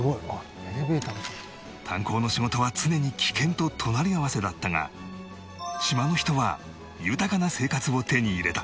炭鉱の仕事は常に危険と隣り合わせだったが島の人は豊かな生活を手に入れた